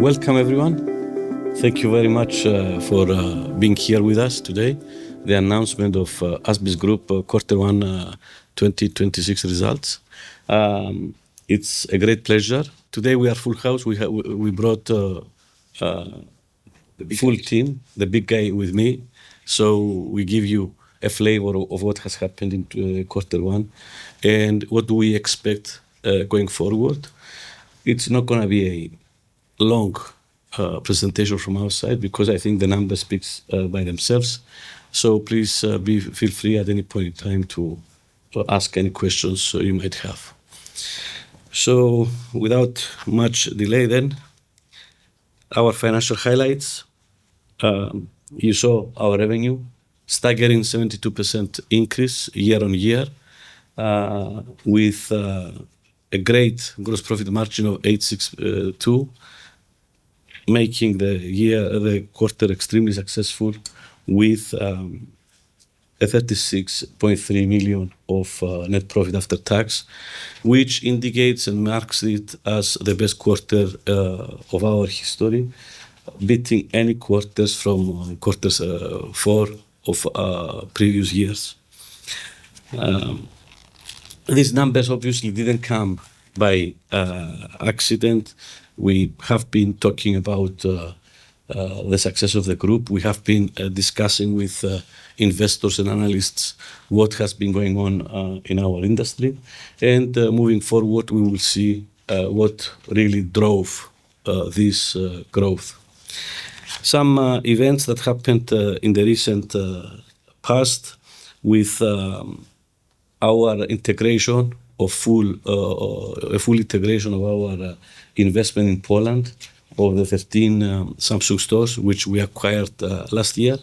Welcome, everyone. Thank you very much for being here with us today. The announcement of ASBIS Group quarter one 2026 results. It's a great pleasure. Today, we are full house. We brought full team, the big guy with me. We give you a flavor of what has happened into quarter one, and what do we expect going forward. It's not going to be a long presentation from our side because I think the numbers speak by themselves. Please feel free at any point in time to ask any questions you might have. Without much delay, our financial highlights. You saw our revenue, staggering 72% increase year-on-year, with a great gross profit margin of 86.2%, making the quarter extremely successful with a $36.3 million of net profit after tax, which indicates and marks it as the best quarter of our history, beating any quarters from quarters four of previous years. These numbers obviously didn't come by accident. We have been talking about the success of the group. We have been discussing with investors and analysts what has been going on in our industry. Moving forward, we will see what really drove this growth. Some events that happened in the recent past with our full integration of our investment in Poland of the 13 Samsung stores, which we acquired last year.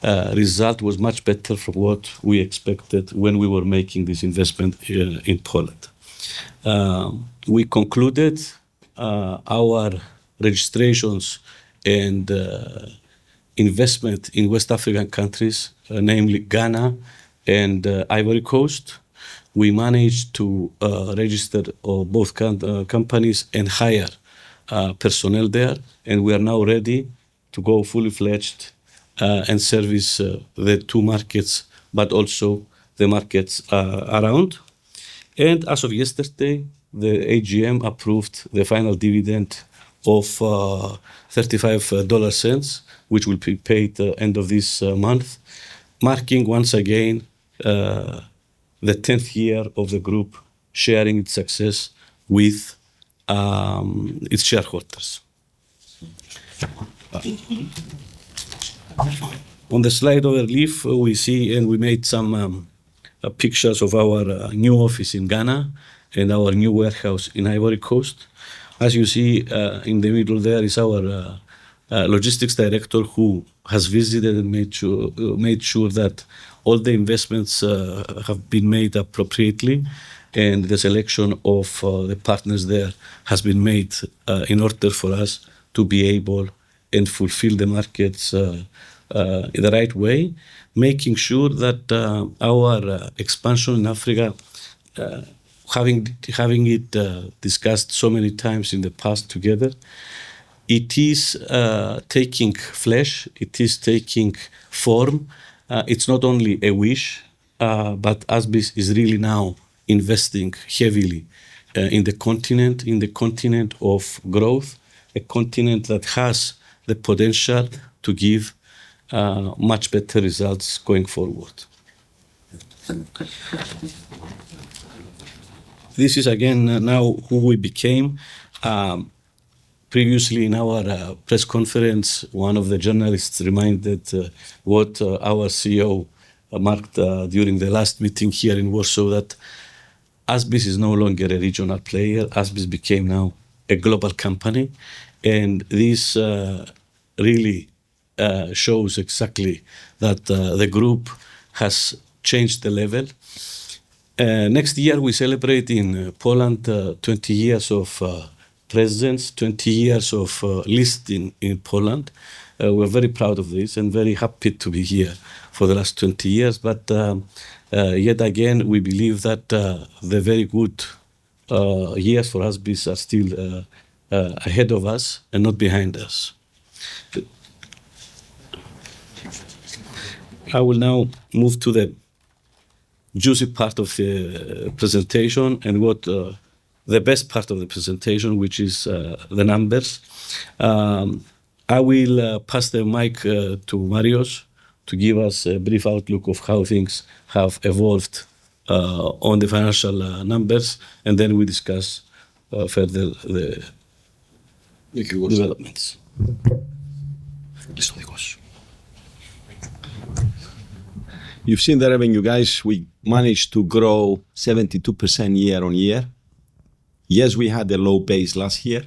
A very big congratulations to the Polish team that made this happen. It was really, for us, a challenge, but coming to a very satisfactory result and very happy to be able to announce to you that this result was much better from what we expected when we were making this investment here in Poland. We concluded our registrations and investment in West African countries, namely Ghana and Ivory Coast. We managed to register both companies and hire personnel there, and we are now ready to go fully fledged and service the two markets, but also the markets around. As of yesterday, the AGM approved the final dividend of $0.35, which will be paid end of this month, marking once again the 10th year of the group sharing its success with its shareholders. On the slide overleaf, we see and we made some pictures of our new office in Ghana and our new warehouse in Ivory Coast. As you see, in the middle there is our logistics director who has visited and made sure that all the investments have been made appropriately and the selection of the partners there has been made in order for us to be able and fulfill the markets in the right way, making sure that our expansion in Africa, having it discussed so many times in the past together, it is taking flesh, it is taking form. It's not only a wish, but ASBIS is really now investing heavily in the continent, in the continent of growth, a continent that has the potential to give much better results going forward. This is again now who we became. Previously in our press conference, one of the journalists reminded what our CEO marked during the last meeting here in Warsaw, that ASBIS is no longer a regional player. ASBIS became now a global company, and this really shows exactly that the group has changed the level. Next year, we celebrate in Poland 20 years of presence, 20 years of listing in Poland. We're very proud of this and very happy to be here for the last 20 years. Yet again, we believe that the very good years for ASBIS are still ahead of us and not behind us. I will now move to the juicy part of the presentation and the best part of the presentation, which is the numbers. I will pass the mic to Marios to give us a brief outlook of how things have evolved on the financial numbers, and then we discuss further the- Thank you, [costas]. You've seen the revenue, guys. We managed to grow 72% year-on-year. Yes, we had a low base last year.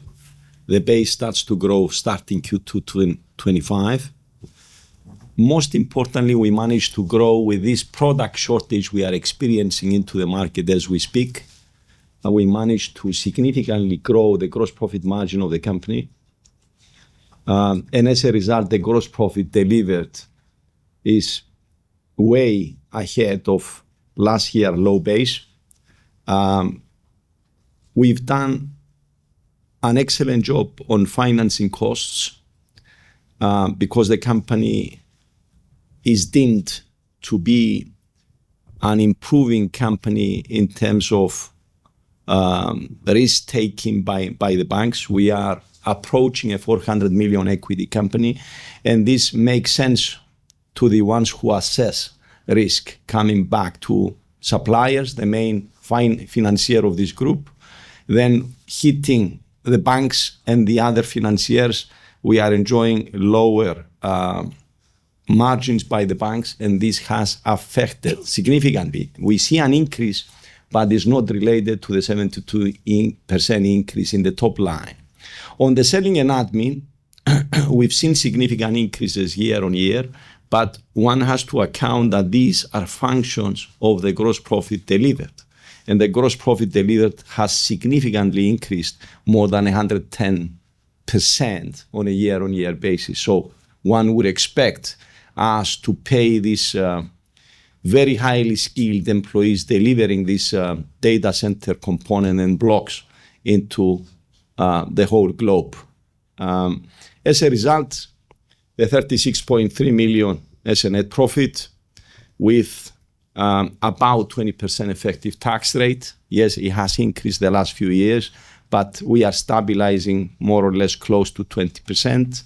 The base starts to grow starting Q2 2025. Most importantly, we managed to grow with this product shortage we are experiencing into the market as we speak, and we managed to significantly grow the gross profit margin of the company. As a result, the gross profit delivered is way ahead of last year low base. We've done an excellent job on financing costs, because the company is deemed to be an improving company in terms of risk-taking by the banks. We are approaching a $400 million equity company, and this makes sense to the ones who assess risk coming back to suppliers, the main financier of this group. Hitting the banks and the other financiers, we are enjoying lower margins by the banks, and this has affected significantly. We see an increase, it's not related to the 72% increase in the top line. On the selling and admin, we've seen significant increases year-on-year, but one has to account that these are functions of the gross profit delivered. The gross profit delivered has significantly increased more than 110% on a year-on-year basis. One would expect us to pay these very highly skilled employees delivering this data center component and blocks into the whole globe. As a result, the $36.3 million as a net profit with about 20% effective tax rate. Yes, it has increased the last few years, but we are stabilizing more or less close to 20%.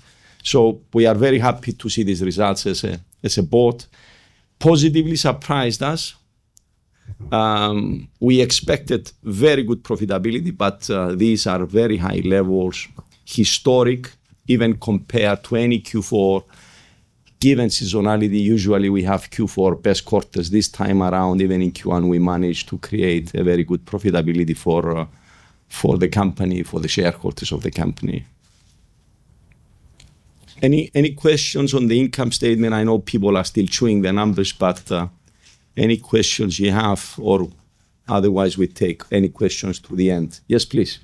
We are very happy to see these results as a board. Positively surprised us. We expected very good profitability, but these are very high levels, historic, even compared to any Q4. Given seasonality, usually we have Q4 best quarters. This time around, even in Q1, we managed to create a very good profitability for the company, for the shareholders of the company. Any questions on the income statement? I know people are still chewing the numbers, but any questions you have, or otherwise, we take any questions to the end. Yes, please.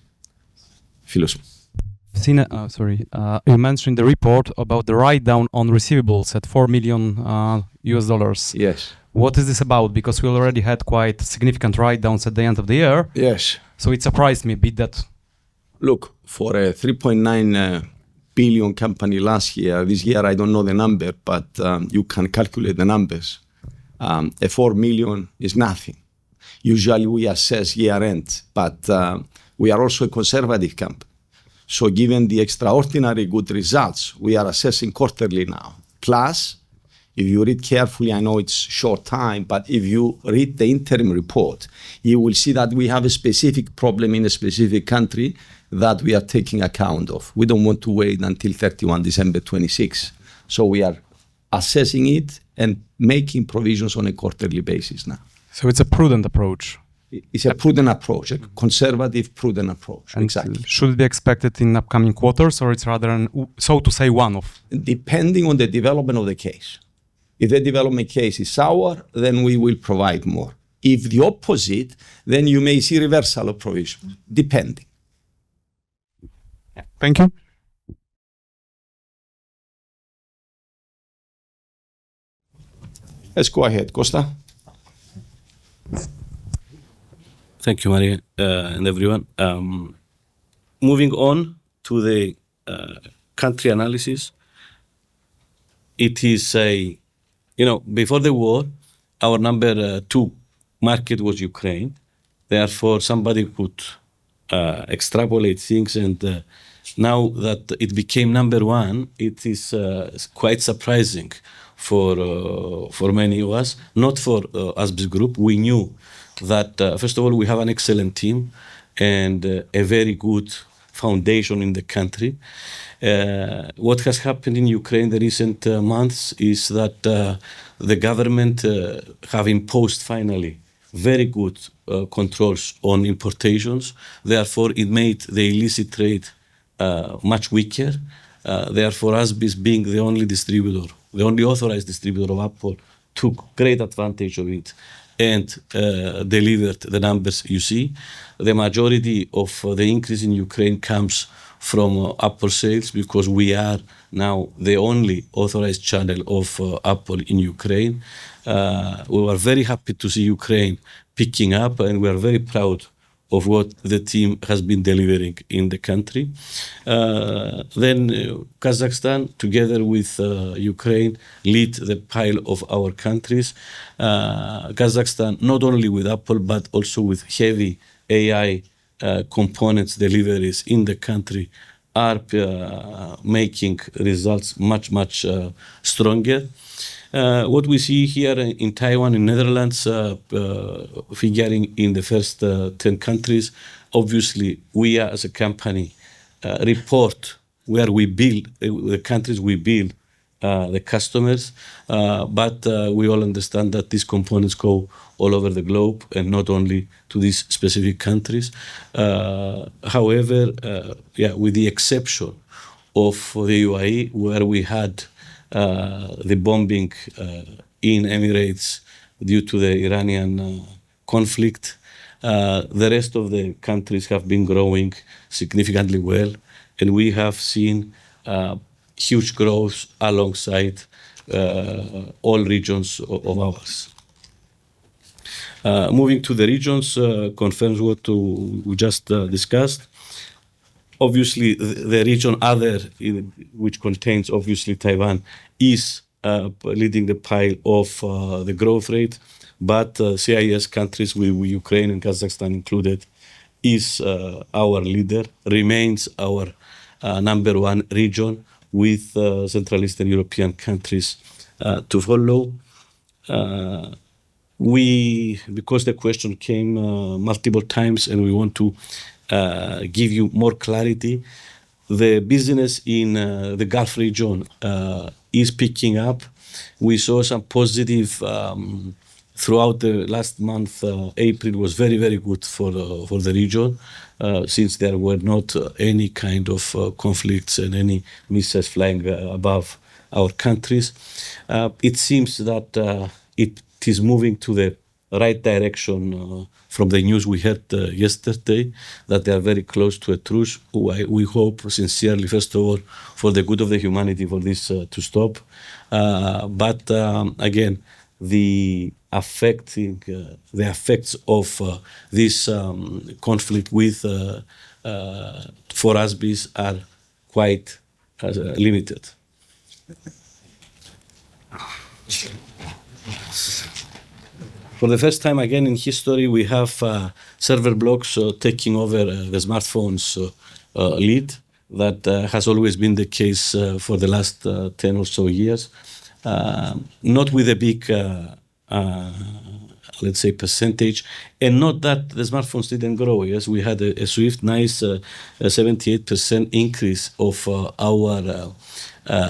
Philos. Sorry. You mentioned the report about the write-down on receivables at $4 million. Yes what is this about? We already had quite significant write-downs at the end of the year. Yes. It surprised me a bit that. Look, for a 3.9 billion company last year, this year, I don't know the number, but you can calculate the numbers. A 4 million is nothing. Usually, we assess year end, but we are also a conservative company. Given the extraordinary good results, we are assessing quarterly now. Plus, if you read carefully, I know it's short time, but if you read the interim report, you will see that we have a specific problem in a specific country that we are taking account of. We don't want to wait until 31 December 2026. We are assessing it and making provisions on a quarterly basis now. It's a prudent approach? It's a prudent approach, a conservative, prudent approach. Exactly. Should it be expected in upcoming quarters, or it's rather an, so to say, one-off? Depending on the development of the case. If the development case is sour, then we will provide more. If the opposite, then you may see reversal of provision, depending. Thank you. Let's go ahead, Costa. Thank you, Marios, and everyone. Moving on to the country analysis. Before the war, our number two market was Ukraine. somebody could extrapolate things, and now that it became number one, it is quite surprising for many of us. Not for ASBIS Group. We knew that, first of all, we have an excellent team and a very good foundation in the country. What has happened in Ukraine the recent months is that the government have imposed finally very good controls on importations. it made the illicit trade much weaker. ASBIS being the only authorized distributor of Apple, took great advantage of it and delivered the numbers you see. The majority of the increase in Ukraine comes from Apple sales because we are now the only authorized channel of Apple in Ukraine. We were very happy to see Ukraine picking up, and we are very proud of what the team has been delivering in the country. Kazakhstan, together with Ukraine, lead the pile of our countries. Kazakhstan, not only with Apple, but also with heavy AI components deliveries in the country are making results much, much stronger. What we see here in Taiwan and Netherlands, figuring in the first 10 countries, obviously, we as a company report where we build, the countries we build, the customers, but we all understand that these components go all over the globe and not only to these specific countries. However, with the exception of the UAE, where we had the bombing in Emirates due to the Iranian conflict, the rest of the countries have been growing significantly well, and we have seen huge growth alongside all regions of ours. Moving to the regions confirms what we just discussed. Obviously, the region other, which contains obviously Taiwan, is leading the pile of the growth rate, but CIS countries with Ukraine and Kazakhstan included is our leader, remains our number one region with Central Eastern European countries to follow. The question came multiple times and we want to give you more clarity, the business in the Gulf region is picking up. We saw some positive throughout the last month. April was very good for the region, since there were not any kind of conflicts and any missiles flying above our countries. It seems that it is moving to the right direction from the news we had yesterday that they are very close to a truce. We hope sincerely, first of all, for the good of the humanity for this to stop. Again, the effects of this conflict for ASBIS are quite limited. For the first time again in history, we have server blocks taking over the smartphone's lead that has always been the case for the last 10 or so years, not with a big percentage and not that the smartphones didn't grow. Yes, we had a swift, nice 78% increase of our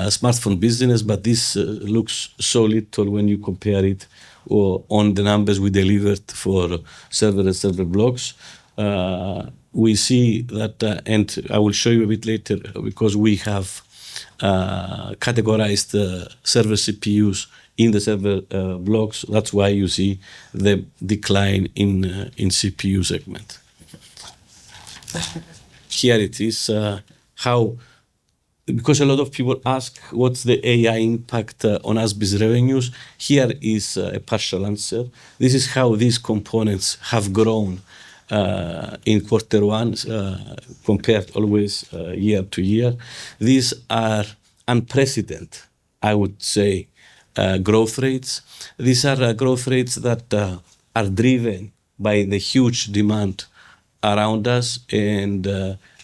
smartphone business, but this looks so little when you compare it on the numbers we delivered for server and server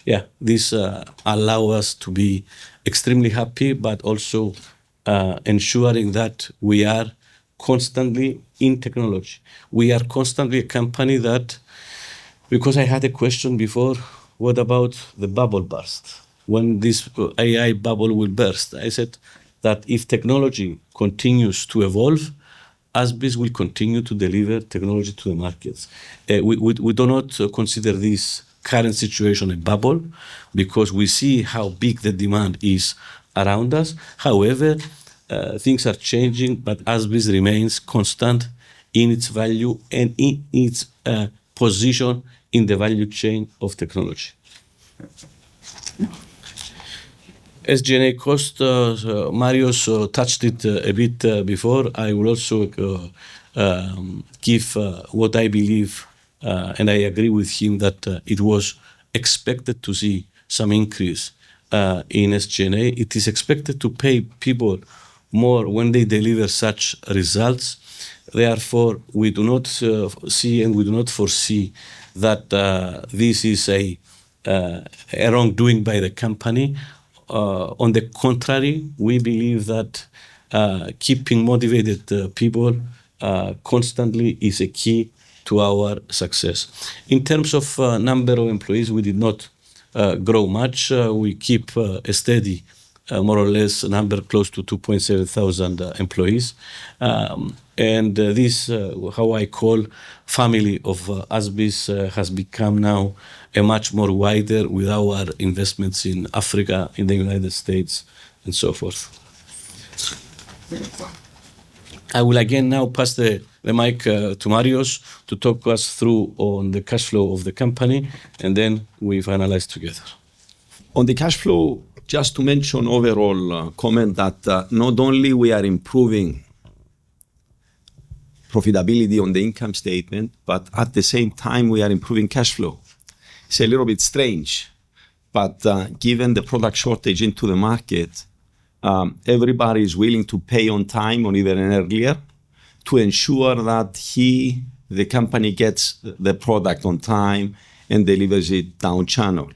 blocks. I will show you a bit later because we have categorized the server CPUs in the server blocks. That's why you see the decline in CPU segment. Here it is. Because a lot of people ask what's the AI impact on ASBIS revenues, here is a partial answer. This is how these components have grown in quarter one compared always year to year. These are unprecedented, I would say growth rates. These are growth rates that are driven by the huge demand around us, and these allow us to be extremely happy, but also ensuring that we are constantly in technology. We are constantly a company that, because I had a question before, what about the bubble burst? When this AI bubble will burst? I said that if technology continues to evolve, ASBIS will continue to deliver technology to the markets. We do not consider this current situation a bubble because we see how big the demand is around us. Things are changing, but ASBIS remains constant in its value and in its position in the value chain of technology. SG&A cost, Marios touched it a bit before. I will also give what I believe, and I agree with him that it was expected to see some increase in SG&A. It is expected to pay people more when they deliver such results. Therefore, we do not see and we do not foresee that this is a wrongdoing by the company. On the contrary, we believe that keeping motivated people constantly is a key to our success. In terms of number of employees, we did not grow much. We keep a steady, more or less number close to 2,700 employees. this how I call family of ASBIS has become now a much more wider with our investments in Africa, in the United States and so forth. I will again now pass the mic to Marios to talk us through on the cash flow of the company, and then we finalize together. On the cash flow, just to mention overall comment that not only we are improving profitability on the income statement, but at the same time we are improving cash flow. It's a little bit strange, but given the product shortage into the market, everybody is willing to pay on time or even earlier to ensure that he, the company gets the product on time and delivers it down channel.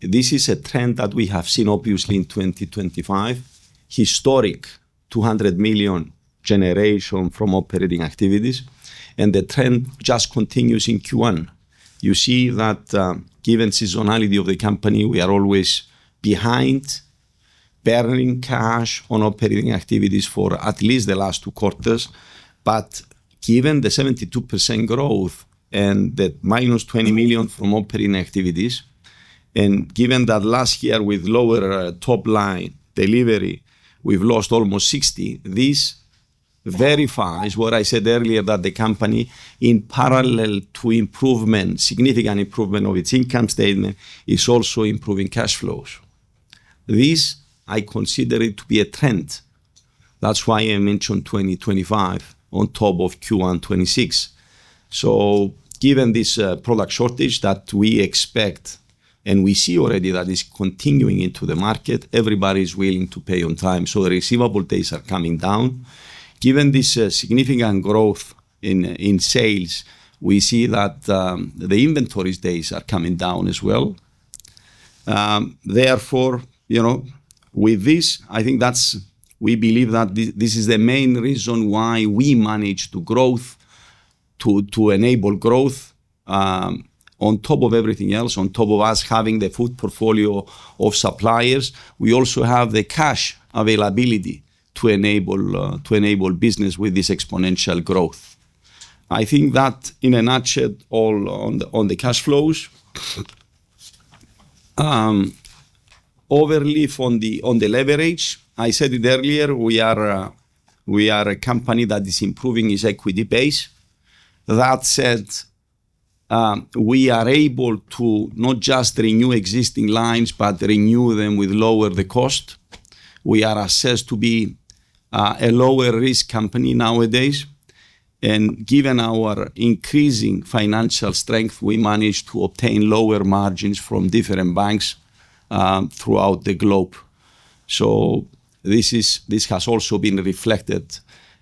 This is a trend that we have seen obviously in 2025, historic $200 million generation from operating activities, and the trend just continues in Q1. You see that given seasonality of the company, we are always behind burning cash on operating activities for at least the last two quarters. Given the 72% growth and the minus $20 million from operating activities, and given that last year with lower top-line delivery, we've lost almost 60, this verifies what I said earlier, that the company, in parallel to significant improvement of its income statement, is also improving cash flows. This, I consider it to be a trend. That's why I mentioned 2025 on top of Q1 '26. Given this product shortage that we expect and we see already that is continuing into the market, everybody's willing to pay on time, so the receivable days are coming down. Given this significant growth in sales, we see that the inventories days are coming down as well. with this, we believe that this is the main reason why we manage to enable growth on top of everything else, on top of us having the full portfolio of suppliers, we also have the cash availability to enable business with this exponential growth. I think that, in a nutshell, all on the cash flows. overall from on the leverage, I said it earlier, we are a company that is improving its equity base. That said, we are able to not just renew existing lines but renew them with lower the cost. We are assessed to be a lower-risk company nowadays, and given our increasing financial strength, we manage to obtain lower margins from different banks throughout the globe. this has also been reflected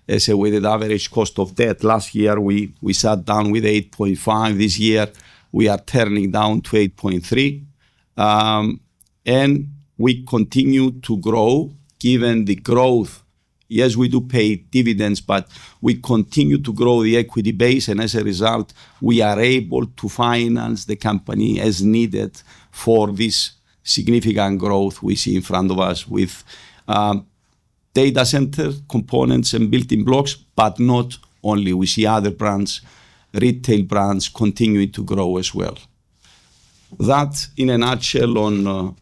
as a weighted average cost of debt. Last year, we sat down with 8.5, this year we are turning down to 8.3. we continue to grow given the growth. Yes, we do pay dividends, but we continue to grow the equity base, and as a result, we are able to finance the company as needed for this significant growth we see in front of us with data center components and building blocks, but not only, we see other retail brands continuing to grow as well. That, in a nutshell,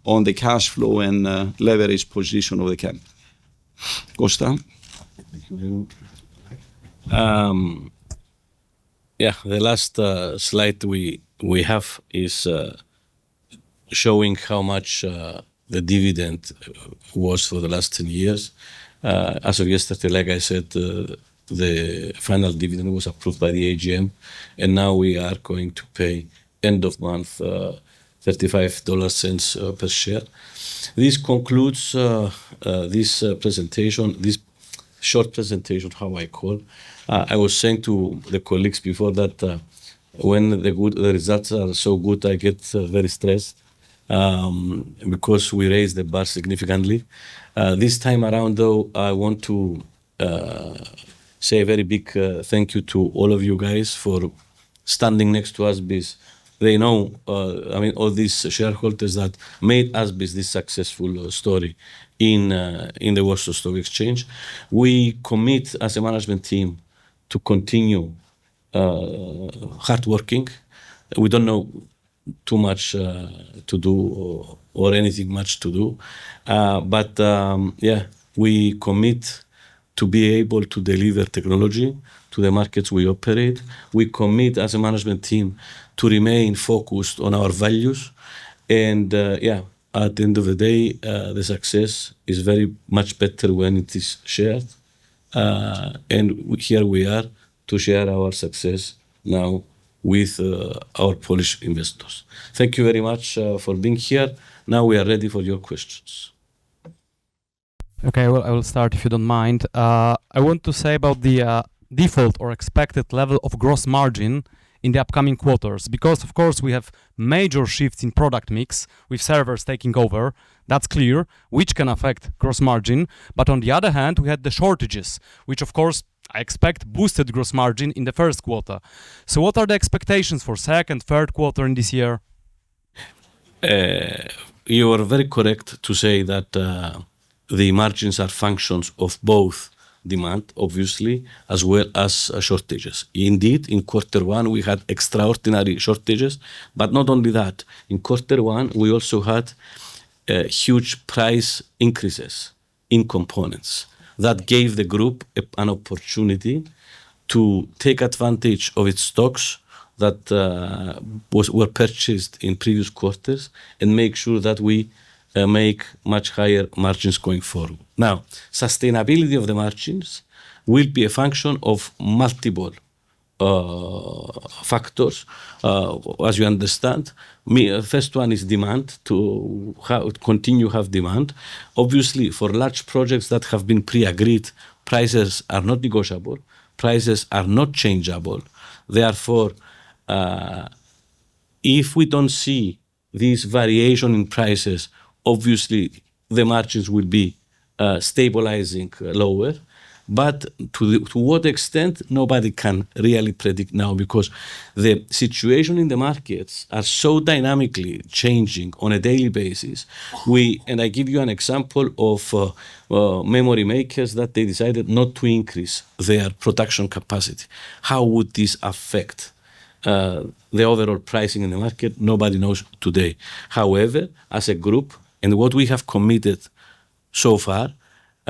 on the cash flow and leverage position of the company. Costas? Thank you. Yeah. The last slide we have is showing how much the dividend was for the last 10 years. As of yesterday, like I said, the final dividend was approved by the AGM, and now we are going to pay end of month $0.35 per share. This concludes this short presentation, how I call. I was saying to the colleagues before that when the results are so good, I get very stressed because we raised the bar significantly. This time around, though, I want to say a very big thank you to all of you guys for standing next to ASBIS. All these shareholders that made ASBIS this successful story in the Warsaw Stock Exchange. We commit as a management team to continue hardworking. We don't know too much to do or anything much to do, but, yeah, we commit to be able to deliver technology to the markets we operate. We commit as a management team to remain focused on our values. yeah, at the end of the day, the success is very much better when it is shared. here we are to share our success now with our Polish investors. Thank you very much for being here. Now we are ready for your questions. Okay, well, I will start if you don't mind. I want to say about the default or expected level of gross margin in the upcoming quarters, because of course we have major shifts in product mix with servers taking over, that's clear, which can affect gross margin, but on the other hand, we had the shortages, which of course I expect boosted gross margin in the first quarter. What are the expectations for second, third quarter in this year? You are very correct to say that the margins are functions of both demand, obviously, as well as shortages. Indeed, in quarter one, we had extraordinary shortages, but not only that, in quarter one, we also had huge price increases in components that gave the group an opportunity to take advantage of its stocks that were purchased in previous quarters and make sure that we make much higher margins going forward. Now, sustainability of the margins will be a function of multiple factors. As you understand, first one is demand, to continue have demand. Obviously, for large projects that have been pre-agreed, prices are not negotiable. Prices are not changeable. Therefore, if we don't see these variation in prices, obviously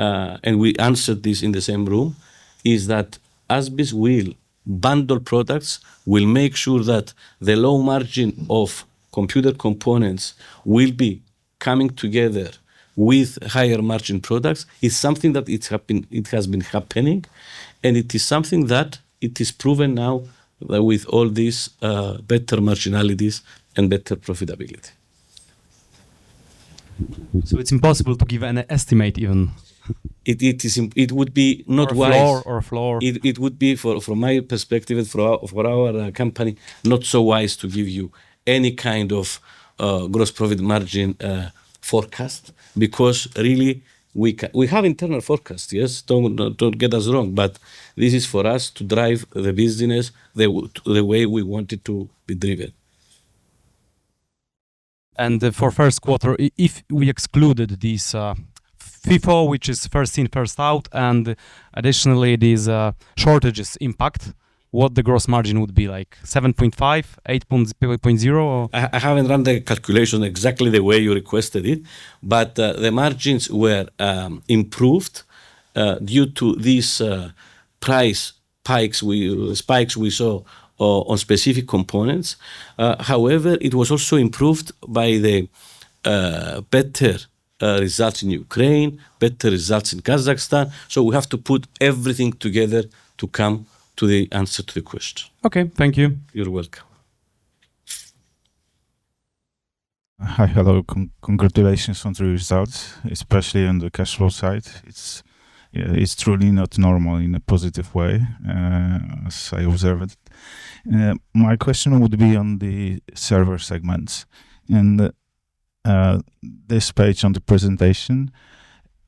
the margins will be stabilizing lower. To what extent, nobody can really predict now because the situation in the markets are so dynamically changing on a daily basis. I give you an example of memory makers that they decided not to increase their production capacity. How would this affect the overall pricing in the market? Nobody knows today. However, as a group and what we have committed so far, and we answered this in the same room, is that ASBIS will bundle products, will make sure that the low margin of computer components will be coming together with higher margin products, is something that it has been happening, and it is something that it is proven now that with all these better marginalities and better profitability. It's impossible to give an estimate even. It would be not wise. a floor. It would be, from my perspective and for our company, not so wise to give you any kind of gross profit margin forecast, because really, we have internal forecast, yes, don't get us wrong, but this is for us to drive the business the way we want it to be driven. For first quarter, if we excluded this FIFO, which is first in, first out, and additionally these shortages impact, what the gross margin would be like, 7.5, 8.0 or? I haven't run the calculation exactly the way you requested it, but the margins were improved due to these price spikes we saw on specific components. However, it was also improved by the better results in Ukraine, better results in Kazakhstan, so we have to put everything together to come to the answer to the question. Okay. Thank you. You're welcome. Hi. Hello. Congratulations on the results, especially on the cash flow side. It's truly not normal in a positive way, as I observe it. My question would be on the server segments and this page on the presentation.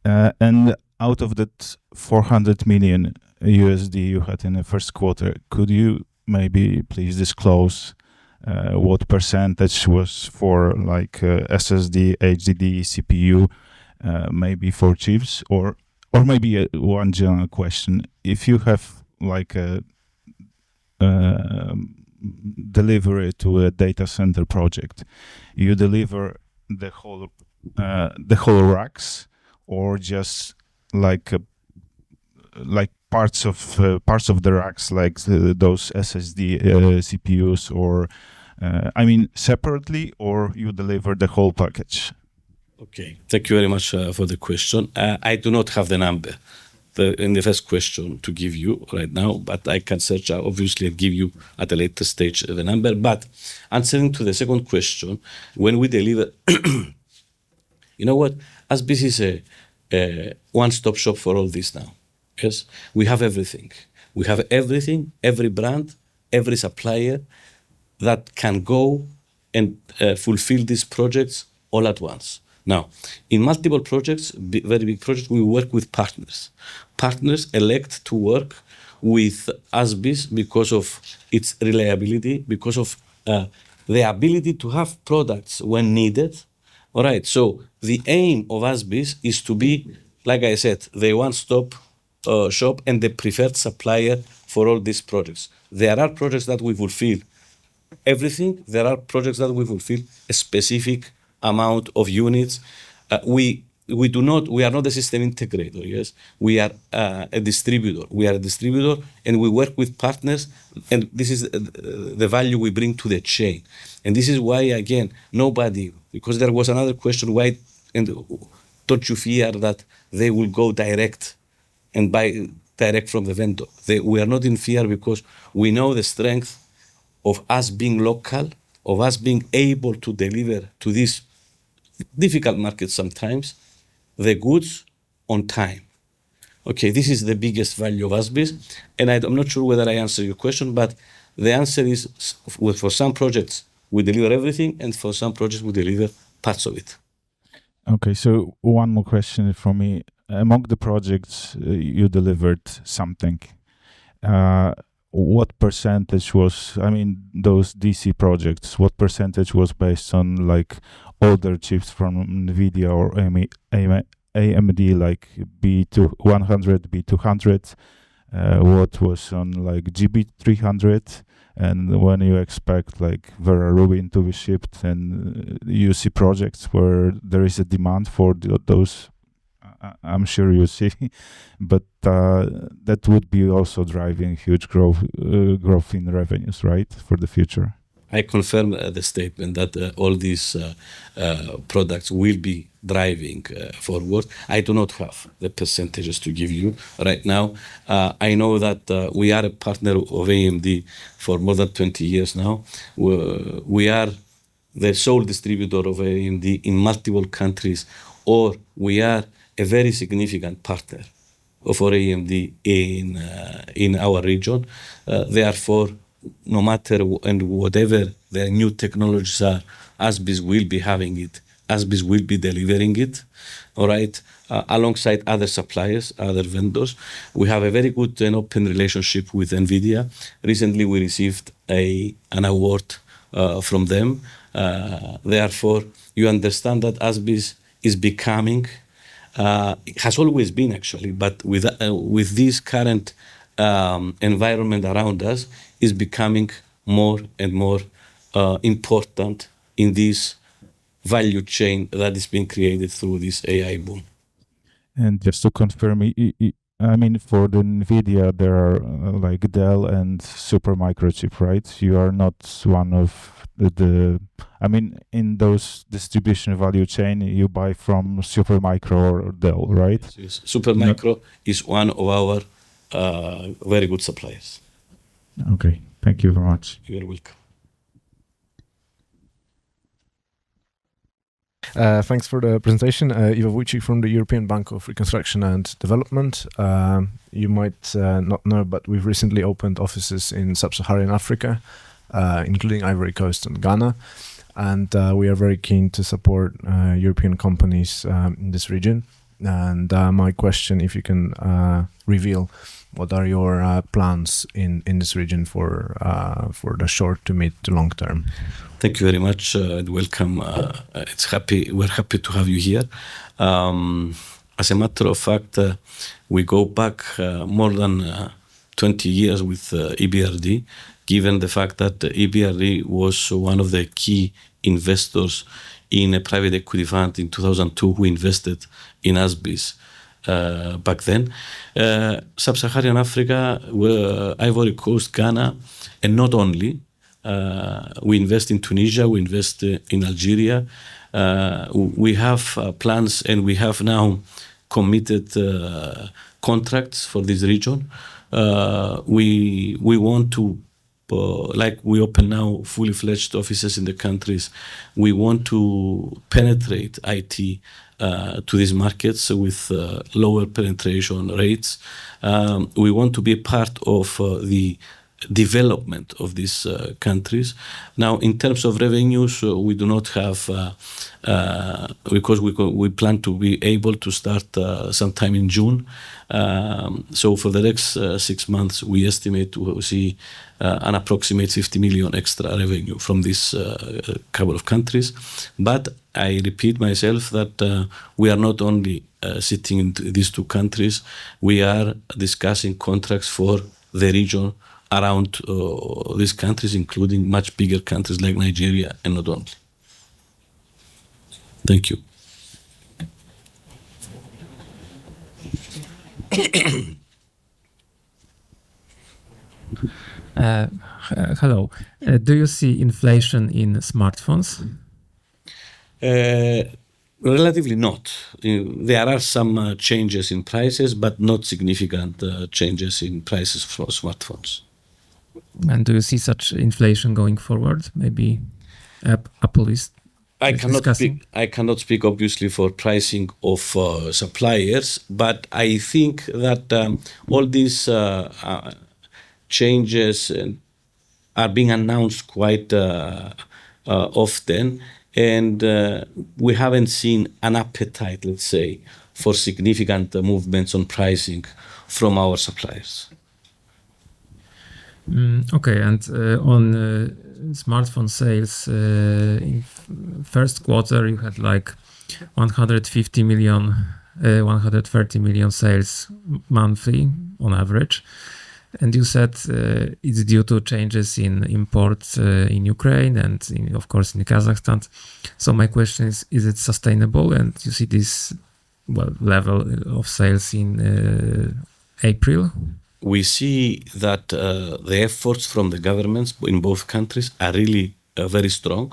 Out of that $400 million you had in the first quarter, could you maybe please disclose what percentage was for SSD, HDD, CPU, maybe for chips or, maybe one general question. If you have a delivery to a data center project, you deliver the whole racks or just parts of the racks, like those SSD, CPUs or I mean, separately, or you deliver the whole package? Okay. Thank you very much for the question. I do not have the number in the first question to give you right now, but I can search obviously and give you at a later stage the number. Answering to the second question, when we deliver ASBIS is a one-stop shop for all this now because we have everything. We have everything, every brand, every supplier that can go and fulfill these projects all at once. Now, in multiple projects, very big projects, we work with partners. Partners elect to work with ASBIS because of its reliability, because of the ability to have products when needed. All right? The aim of ASBIS is to be, like I said, the one-stop shop and the preferred supplier for all these products. There are projects that we fulfill everything. There are projects that we fulfill a specific amount of units. We are not a system integrator, yes. We are a distributor, and we work with partners, and this is the value we bring to the chain. This is why, again, nobody, because there was another question, don't you fear that they will go direct and buy direct from the vendor? We are not in fear because we know the strength of us being local, of us being able to deliver to these difficult markets sometimes, the goods on time. Okay, this is the biggest value of ASBIS, and I'm not sure whether I answered your question, but the answer is, well, for some projects, we deliver everything, and for some projects, we deliver parts of it. Okay, one more question from me. Among the projects you delivered something, those DC projects, what percentage was based on older chips from NVIDIA or AMD, like B100, B200, what was on GB200, and when you expect Vera Rubin to be shipped and you see projects where there is a demand for those, I'm sure you see, but that would be also driving huge growth in revenues, right, for the future? I confirm the statement that all these products will be driving forward. I do not have the percentages to give you right now. I know that we are a partner of AMD for more than 20 years now. We are the sole distributor of AMD in multiple countries, or we are a very significant partner for AMD in our region. No matter and whatever their new technologies are, ASBIS will be having it, ASBIS will be delivering it, all right, alongside other suppliers, other vendors. We have a very good and open relationship with NVIDIA. Recently, we received an award from them. You understand that ASBIS is becoming, has always been, actually, but with this current environment around us, is becoming more and more important in this value chain that is being created through this AI boom. Just to confirm, for NVIDIA, there are Dell and Supermicro chip, right? In those distribution value chain, you buy from Supermicro or Dell, right? Yes. Supermicro is one of our very good suppliers. Okay. Thank you very much. You are welcome. Thanks for the presentation. Iwo Wójcik from the European Bank for Reconstruction and Development. You might not know, but we've recently opened offices in sub-Saharan Africa, including Ivory Coast and Ghana, and we are very keen to support European companies in this region. My question, if you can reveal what are your plans in this region for the short to mid to long term? Thank you very much and welcome. We're happy to have you here. As a matter of fact, we go back more than 20 years with EBRD, given the fact that EBRD was one of the key investors in a private equity fund in 2002 who invested in ASBIS back then. Sub-Saharan Africa, Ivory Coast, Ghana, and not only, we invest in Tunisia, we invest in Algeria. We have plans, and we have now committed contracts for this region. We open now fully fledged offices in the countries. We want to penetrate IT to these markets with lower penetration rates. We want to be part of the development of these countries. Now, in terms of revenues, we plan to be able to start sometime in June. For the next six months, we estimate we'll see an approximate $50 million extra revenue from this couple of countries. I repeat myself that we are not only sitting in these two countries. We are discussing contracts for the region around these countries, including much bigger countries like Nigeria and others. Thank you. Hello. Do you see inflation in smartphones? Relatively not. There are some changes in prices, but not significant changes in prices for smartphones. Do you see such inflation going forward? Maybe Apple is discussing. I cannot speak, obviously, for pricing of suppliers, but I think that all these changes are being announced quite often, and we haven't seen an appetite, let's say, for significant movements on pricing from our suppliers. Okay. On smartphone sales, first quarter, you had 130 million sales monthly on average. You said it's due to changes in imports in Ukraine and of course, in Kazakhstan. My question is it sustainable, and you see this level of sales in April? We see that the efforts from the governments in both countries are really very strong,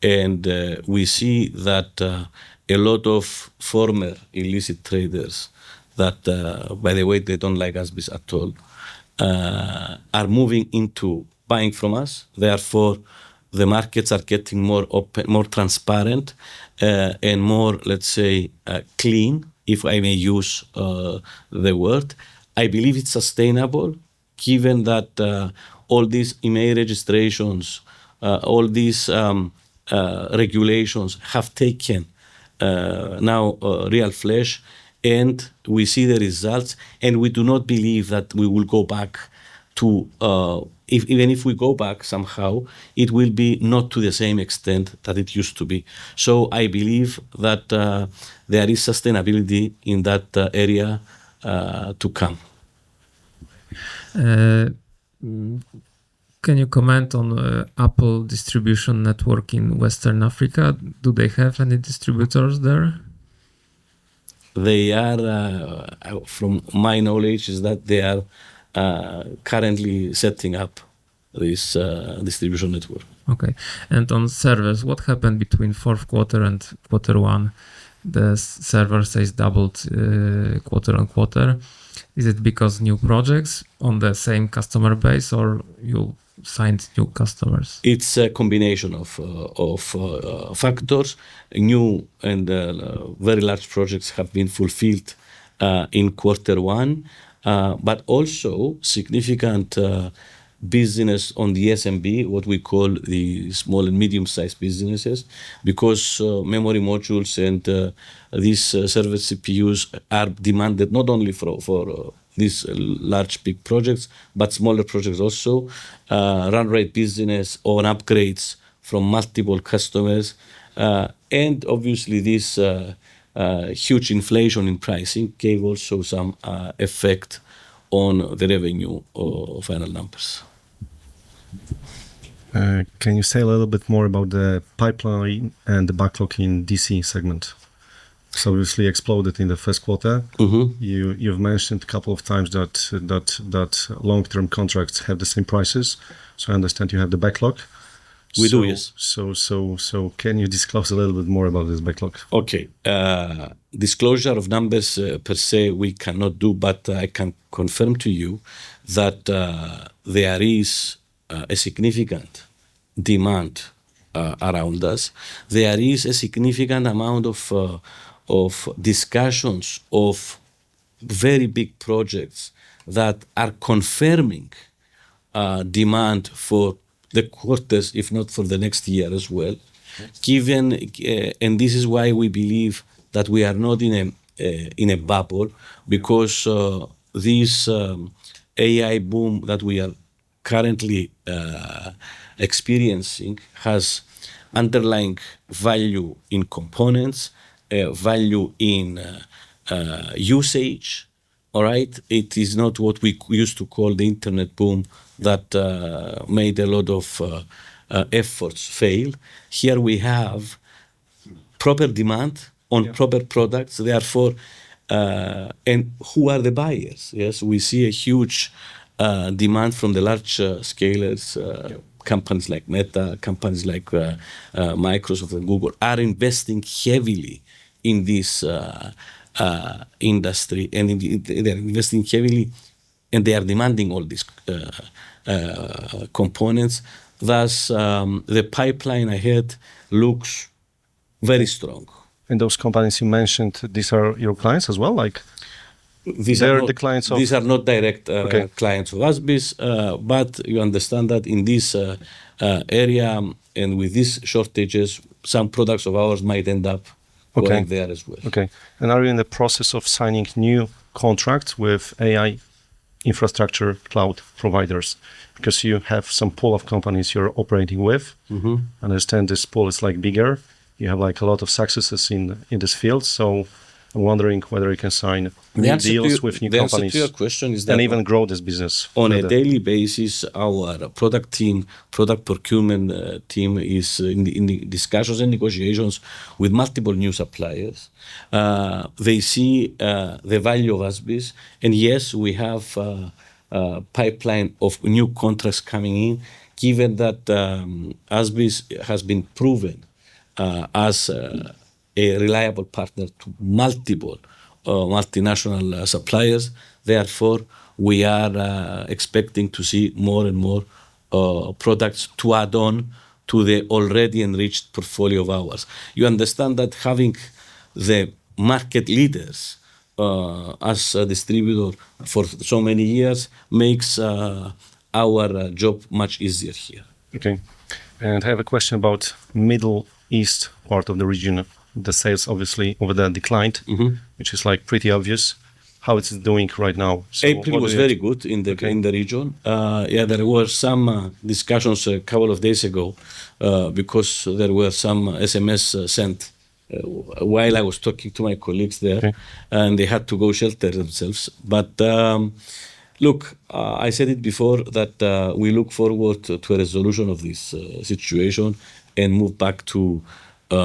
and we see that a lot of former illicit traders that, by the way, they don't like ASBIS at all, are moving into buying from us. Therefore, the markets are getting more transparent and more, let's say, clean, if I may use the word. I believe it's sustainable given that all these IMEI registrations, all these regulations have taken now real flesh, and we see the results, and we do not believe that we will go back to. Even if we go back somehow, it will be not to the same extent that it used to be. I believe that there is sustainability in that area to come. Can you comment on Apple distribution network in Western Africa? Do they have any distributors there? From my knowledge, is that they are currently setting up this distribution network. Okay. On servers, what happened between fourth quarter and quarter one? The server sales doubled quarter-over-quarter. Is it because new projects on the same customer base or you signed new customers? It's a combination of factors. New and very large projects have been fulfilled in quarter one, but also significant business on the SMB, what we call the small and medium-sized businesses, because memory modules and these server CPUs are demanded not only for these large, big projects, but smaller projects also, run rate business or upgrades from multiple customers. Obviously, this huge inflation in pricing gave also some effect on the revenue of annual numbers. Can you say a little bit more about the pipeline and the backlog in DC segment? obviously exploded in the first quarter. You've mentioned a couple of times that long-term contracts have the same prices, so I understand you have the backlog. We do, yes. Can you disclose a little bit more about this backlog? Okay. Disclosure of numbers per se, we cannot do, but I can confirm to you that there is a significant demand around us. There is a significant amount of discussions of very big projects that are confirming demand for the quarters, if not for the next year as well. This is why we believe that we are not in a bubble because this AI boom that we are currently experiencing has underlying value in components, value in usage. All right? It is not what we used to call the internet boom that made a lot of efforts fail. Here we have proper demand on proper products. Who are the buyers? Yes, we see a huge demand from the large hyperscalers, companies like Meta, companies like Microsoft and Google are investing heavily in this industry, and they're investing heavily, and they are demanding all these components. The pipeline ahead looks very strong. those companies you mentioned, these are your clients as well? Like they're the clients of- These are not direct clients of ASBIS. Okay. You understand that in this area and with these shortages, some products of ours might end up going there as well. Okay. Are you in the process of signing new contracts with AI infrastructure cloud providers? Because you have some pool of companies you're operating with. I understand this pool is bigger. You have a lot of successes in this field, so I'm wondering whether you can sign new deals with new companies- The answer to your question is that Even grow this business further On a daily basis, our product team, product procurement team, is in discussions and negotiations with multiple new suppliers. They see the value of ASBIS and yes, we have a pipeline of new contracts coming in, given that ASBIS has been proven as a reliable partner to multiple multinational suppliers. Therefore, we are expecting to see more and more products to add on to the already enriched portfolio of ours. You understand that having the market leaders as a distributor for so many years makes our job much easier here. Okay. I have a question about Middle East part of the region. The sales obviously over there declined which is pretty obvious. How is it doing right now? what was it- April was very good in the region. Okay. Yeah, there were some discussions a couple of days ago because there were some SMS sent while I was talking to my colleagues there. Okay. They had to go shelter themselves. Look, I said it before that we look forward to a resolution of this situation and move back to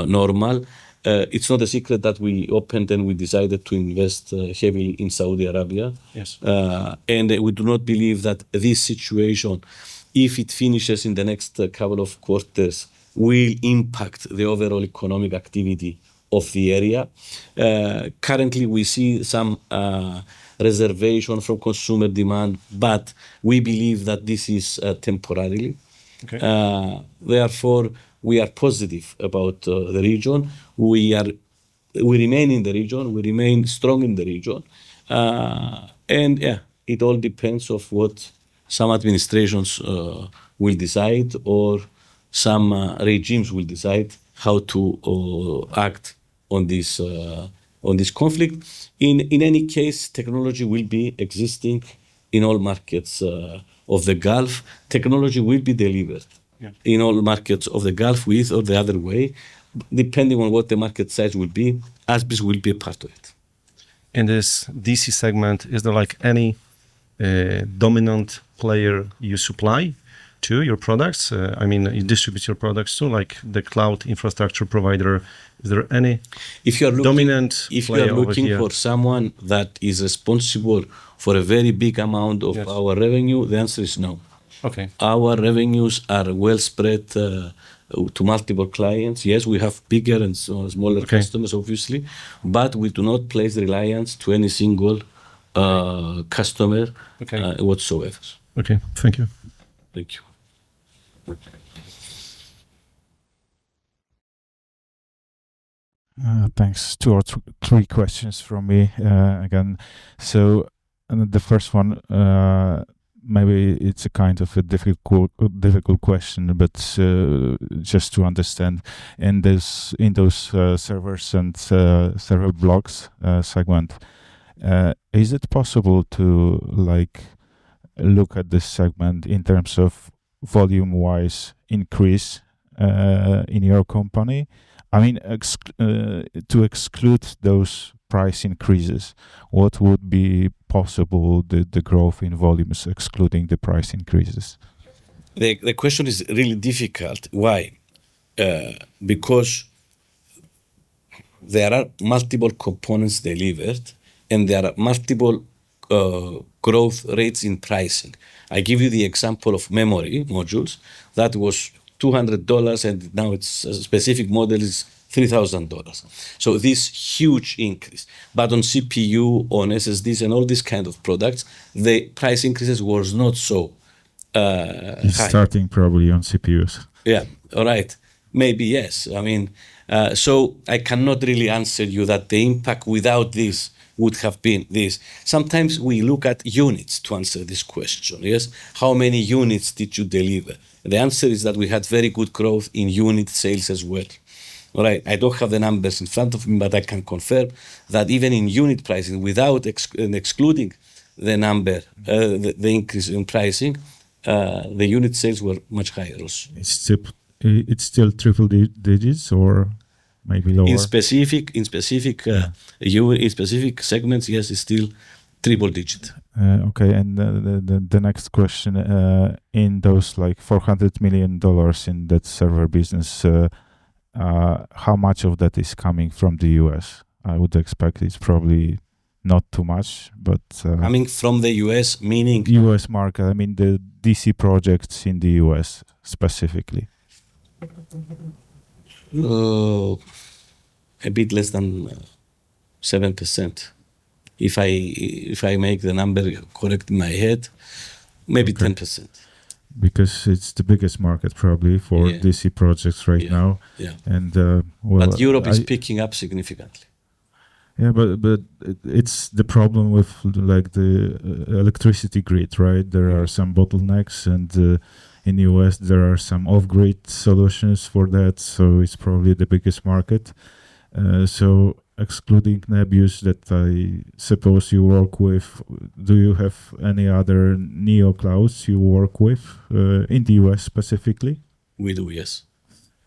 normal. It's not a secret that we opened, and we decided to invest heavily in Saudi Arabia. Yes. We do not believe that this situation, Okay. Our revenues are well spread to multiple clients. Yes, we have bigger and smaller customers Okay obviously, we do not place reliance to any single customer- Okay whatsoever. Okay, thank you. Thank you. Thanks. Two or three questions from me again. The first one, maybe it's a kind of a difficult question, but just to understand. In those servers and server blocks segment, is it possible to look at this segment in terms of volume-wise increase in your company, to exclude those price increases, what would be possible the growth in volumes excluding the price increases? The question is really difficult. Why? Because there are multiple components delivered and there are multiple growth rates in pricing. I give you the example of memory modules that was $200 and now its specific model is $3,000. This huge increase. On CPU, on SSDs and all these kind of products, the price increases was not so high. It's starting probably on CPUs. Yeah. All right. Maybe, yes. I cannot really answer you that the impact without this would have been this. Sometimes we look at units to answer this question. Yes. How many units did you deliver? The answer is that we had very good growth in unit sales as well. Right. I don't have the numbers in front of me, but I can confirm that even in unit pricing, without excluding the number, the increase in pricing, the unit sales were much higher also. It's still triple digits or maybe lower? In specific segments, yes, it's still triple digit. Okay, the next question, in those $400 million in that server business, how much of that is coming from the U.S.? I would expect it's probably not too much, but- Coming from the U.S. meaning? U.S. market, I mean the DC projects in the U.S. specifically. A bit less than 7%. If I make the number correct in my head, maybe 10%. It's the biggest market probably for DC projects right now. Yeah. well. Europe is picking up significantly. Yeah, it's the problem with the electricity grid, right? There are some bottlenecks and in U.S. there are some off-grid solutions for that, so it's probably the biggest market. Excluding ASBIS that I suppose you work with, do you have any other neoclouds you work with in the U.S. specifically? We do, yes.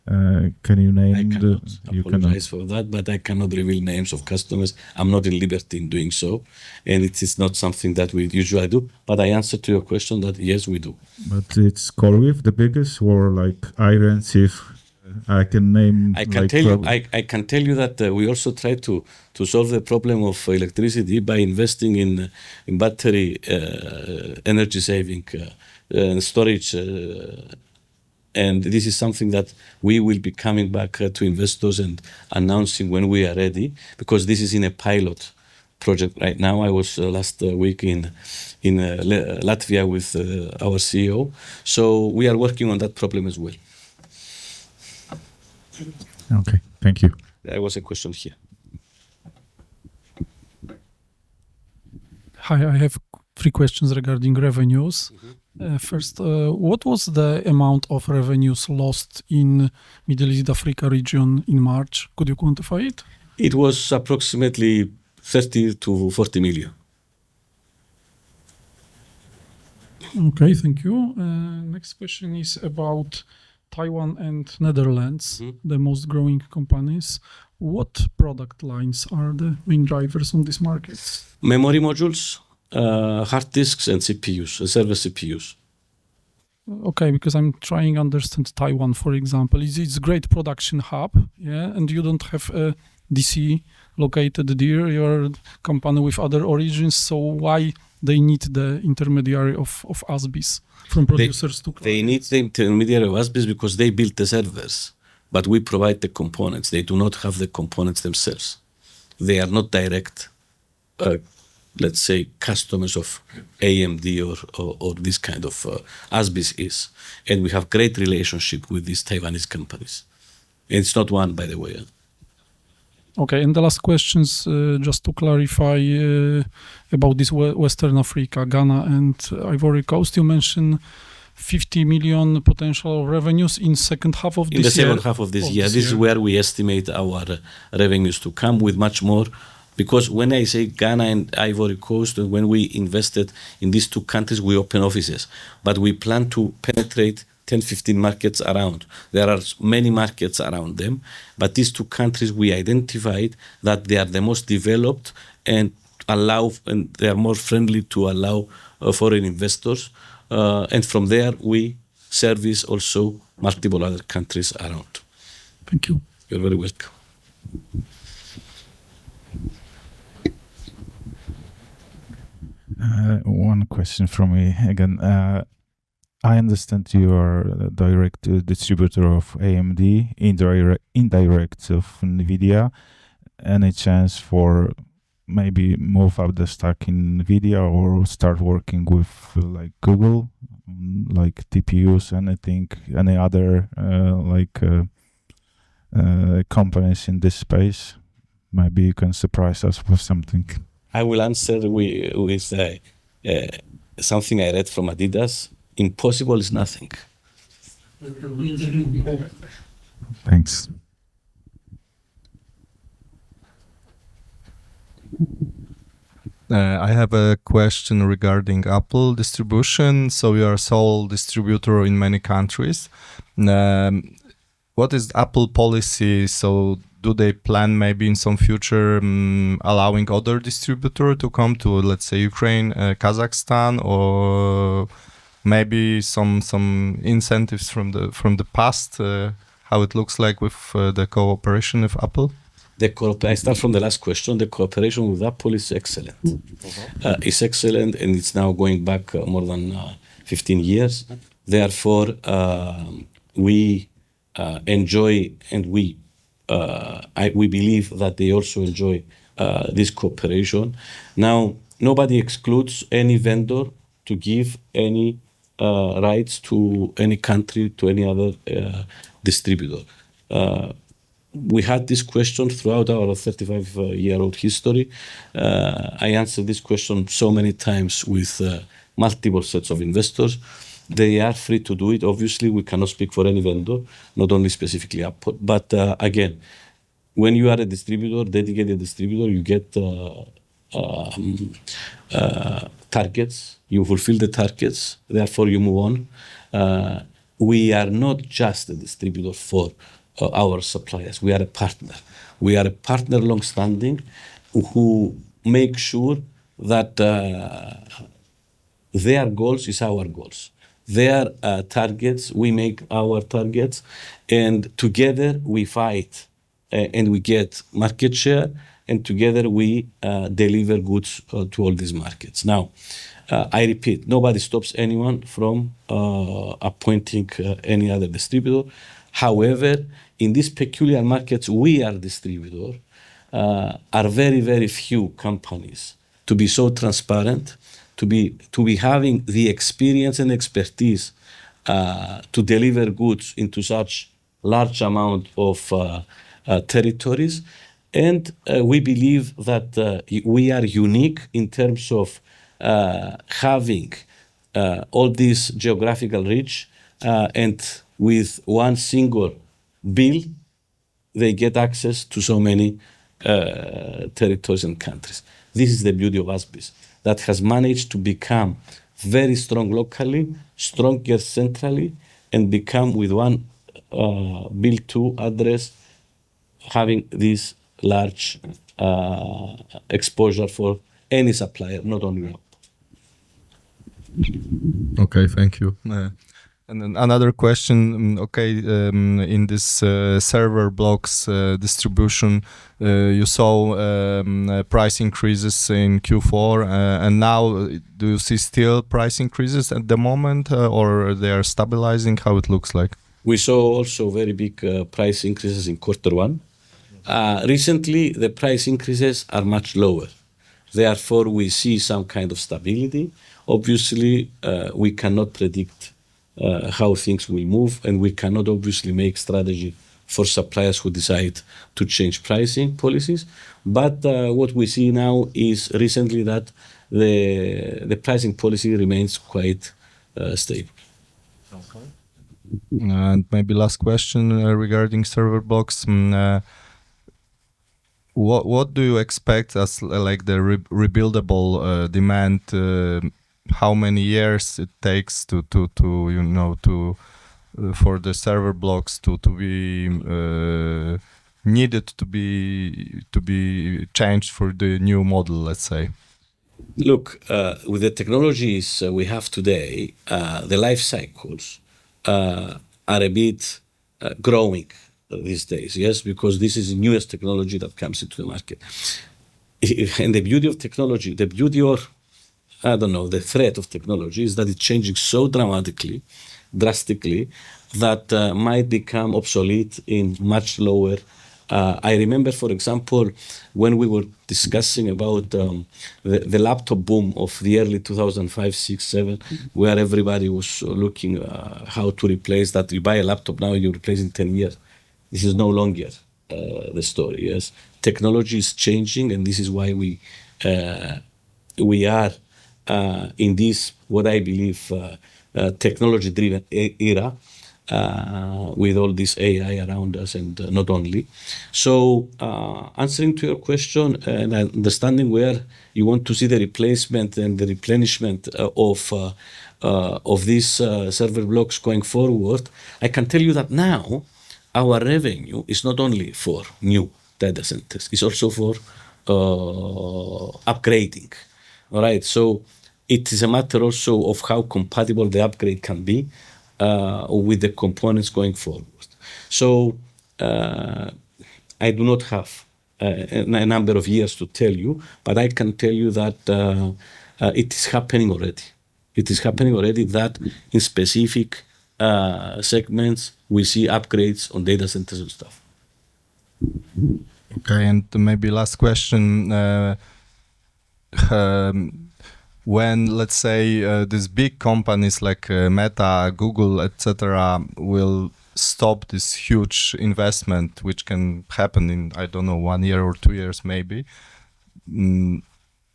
Can you name the I cannot. I apologize for that, but I cannot reveal names of customers. I'm not at liberty in doing so, and it is not something that we usually do, but I answer to your question that yes, we do. it's CoreWeave the biggest, or I don't see if I can name like probably- I can tell you that we also try to solve the problem of electricity by investing in battery energy storage systems. This is something that we will be coming back to investors and announcing when we are ready, because this is in a pilot project right now. I was last week in Latvia with our CEO, so we are working on that problem as well. Okay. Thank you. There was a question here. 10, 15 markets around. There are many markets around them, but these two countries we identified that they are the most developed and they are more friendly to allow foreign investors. From there we service also multiple other countries around. Thank you. You're very welcome. One question from me again. I understand you are a direct distributor of AMD, indirect of NVIDIA. Any chance for maybe move up the stock in NVIDIA or start working with Google on TPUs, anything, any other companies in this space? Maybe you can surprise us with something. I will answer with something I read from Adidas, "Impossible is nothing." Thanks I have a question regarding Apple distribution. We are sole distributor in many countries. What is Apple policy? Do they plan maybe in some future allowing other distributor to come to, let's say, Ukraine, Kazakhstan, or maybe some incentives from the past, how it looks like with the cooperation of Apple? I start from the last question. The cooperation with Apple is excellent. Okay. It's excellent, and it's now going back more than 15 years. Therefore, we enjoy and we believe that they also enjoy this cooperation. Now, nobody excludes any vendor to give any rights to any country, to any other distributor. We had this question throughout our 35-year-old history. I answered this question so many times with multiple sets of investors. They are free to do it. Obviously, we cannot speak for any vendor, not only specifically Apple. Again, when you are a distributor, dedicated distributor, you get targets, you fulfill the targets, therefore you move on. We are not just a distributor for our suppliers. We are a partner. We are a partner longstanding, who make sure that their goals is our goals. Their targets, we make our targets, and together we fight and we get market share, and together we deliver goods to all these markets. Now, I repeat, nobody stops anyone from appointing any other distributor. However, in these peculiar markets, we are distributor, are very few companies to be so transparent, to be having the experience and expertise to deliver goods into such large amount of territories. We believe that we are unique in terms of having all this geographical reach, and with one single bill, they get access to so many territories and countries. This is the beauty of ASBIS, that has managed to become very strong locally, stronger centrally, and become with one bill to address having this large exposure for any supplier, not only Apple. Okay. Thank you. another question. Okay. In this server blocks distribution, you saw price increases in Q4, and now do you see still price increases at the moment, or they are stabilizing? How it looks like? We saw also very big price increases in quarter one. Recently, the price increases are much lower. Therefore, we see some kind of stability. Obviously, we cannot predict how things will move, and we cannot obviously make strategy for suppliers who decide to change pricing policies. What we see now is recently that the pricing policy remains quite stable. Okay. Maybe last question regarding server blocks. What do you expect as the rebuildable demand, how many years it takes for the server blocks to be needed to be changed for the new model, let's say? Look, with the technologies we have today, the life cycles are a bit growing these days, yes, because this is the newest technology that comes into the market. The beauty of technology, the beauty or, I don't know, the threat of technology is that it's changing so dramatically, drastically, that might become obsolete in much lower. I remember, for example, when we were discussing about the laptop boom of the early 2005, '6, '7, where everybody was looking how to replace that. You buy a laptop now, you replace in 10 years. This is no longer the story. Yes. Technology is changing, and this is why we are in this, what I believe, technology-driven era with all this AI around us and not only. Answering to your question and understanding where you want to see the replacement and the replenishment of these server blocks going forward, I can tell you that now our revenue is not only for new data centers, it's also for upgrading. All right? it is a matter also of how compatible the upgrade can be with the components going forward. I do not have a number of years to tell you, but I can tell you that it is happening already. It is happening already that in specific segments, we see upgrades on data centers and stuff. Okay, maybe last question. When, let's say, these big companies like Meta, Google, et cetera, will stop this huge investment, which can happen in, I don't know, one year or two years, maybe.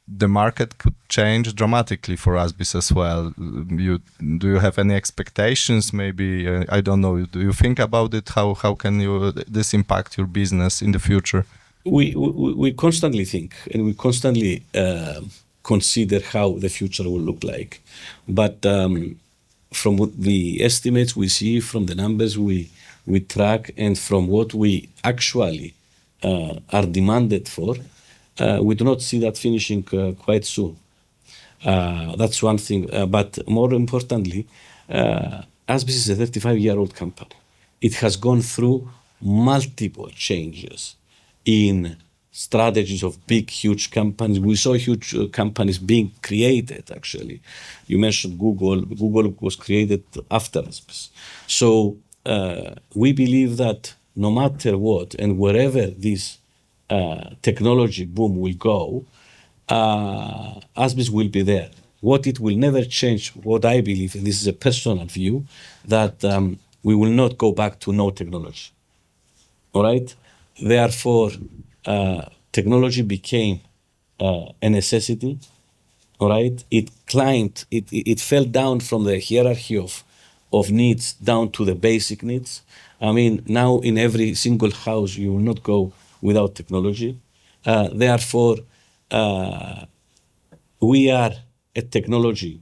The market could change dramatically for ASBIS as well. Do you have any expectations maybe? I don't know. Do you think about it? How can this impact your business in the future? We constantly think, and we constantly consider how the future will look like. From the estimates we see, from the numbers we track, and from what we actually are demanded for, we do not see that finishing quite soon. That's one thing. More importantly, ASBIS is a 35-year-old company. It has gone through multiple changes in strategies of big, huge companies. We saw huge companies being created, actually. You mentioned Google. Google was created after ASBIS. We believe that no matter what and wherever this technology boom will go, ASBIS will be there. What it will never change, what I believe, and this is a personal view, that we will not go back to no technology. All right? Therefore, technology became a necessity. All right? It climbed. It fell down from the hierarchy of needs down to the basic needs. Now in every single house, you will not go without technology. Therefore, we are a technology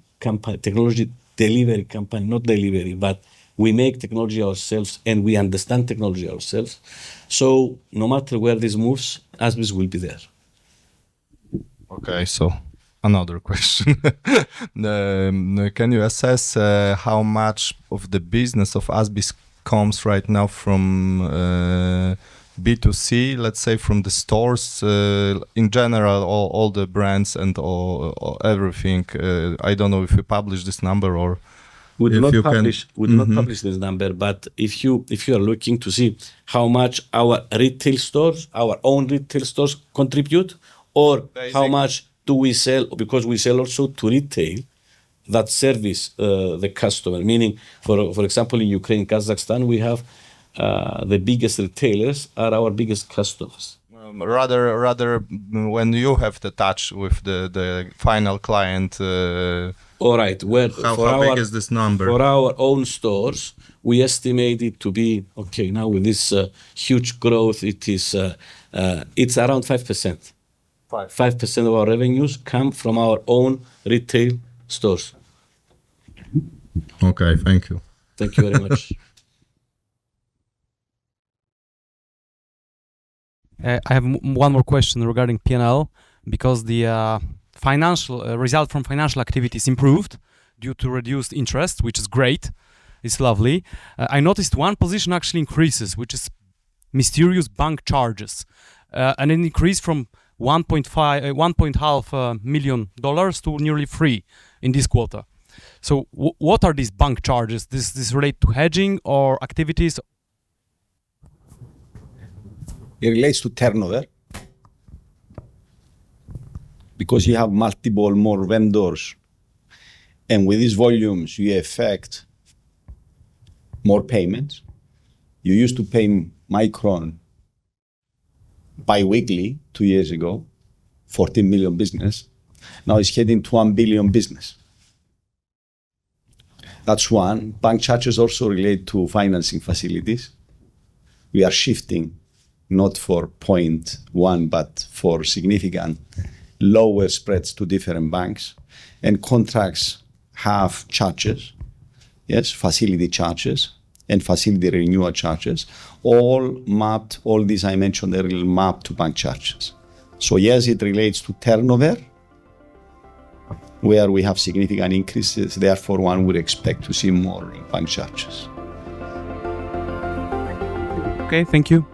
delivery company, not delivery, but we make technology ourselves and we understand technology ourselves. No matter where this moves, ASBIS will be there. Okay. Another question. Can you assess how much of the business of ASBIS comes right now from B2C, let's say from the stores, in general, all the brands and everything? I don't know if you publish this number or if you can. We do not publish this number, but if you are looking to see how much our own retail stores contribute, or how much do we sell, because we sell also to retail that service the customer. Meaning, for example, in Ukraine, Kazakhstan, we have the biggest retailers are our biggest customers. Rather when you have the touch with the final client. All right How big is this number? For our own stores, we estimate it to be, okay, now with this huge growth, it's around 5%. Five. 5% of our revenues come from our own retail stores.] Okay. Thank you. Thank you very much. I have one more question regarding P&L, because the result from financial activities improved due to reduced interest, which is great. It's lovely. I noticed one position actually increases, which is mysterious bank charges, an increase from $1.5 million to nearly three in this quarter. What are these bank charges? Does this relate to hedging or activities? It relates to turnover. Because you have multiple more vendors, and with these volumes, you affect more payments. You used to pay Micron biweekly two years ago, $14 million business. Now it's heading to $1 billion business. That's one. Bank charges also relate to financing facilities. We are shifting not for 0.1 but for significant lower spreads to different banks, and contracts have charges. Yes, facility charges and facility renewal charges. All these I mentioned, they're all mapped to bank charges. yes, it relates to turnover, where we have significant increases. Therefore, one would expect to see more in bank charges. Okay. Thank you